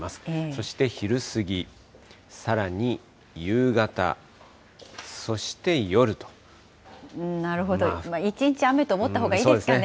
そして昼過ぎ、さらに夕方、そしなるほど、一日雨と思ったほうがいいですかね。